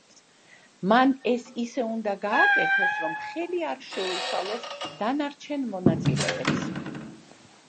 მან ეს ისე უნდა გააკეთოს, რომ ხელი არ შეუშალოს დანარჩენ მონაწილეებს.